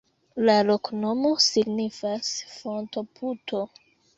La loknomo signifas: fonto-puto.